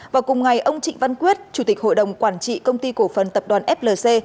và cùng ngày ông trịnh văn quyết chủ tịch hội đồng quản trị công ty cổ phần tập đoàn flc